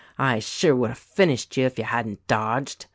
I sure would have finished you if you hadn't dodged."